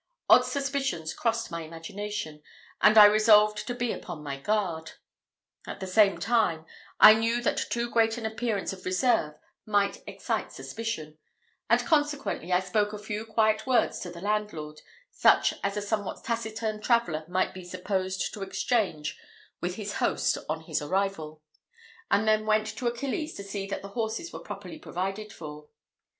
Odd suspicions crossed my imagination, and I resolved to be upon my guard. At the same time, I knew that too great an appearance of reserve might excite suspicion, and consequently I spoke a few quiet words to the landlord, such as a somewhat taciturn traveller might be supposed to exchange with his host on his arrival, and then went with Achilles to see that the horses were properly provided for.